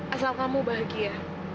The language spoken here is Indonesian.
asal kamu bahagia